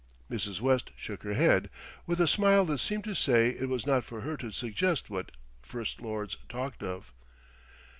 Mrs. West shook her head, with a smile that seemed to say it was not for her to suggest what First Lords talked of.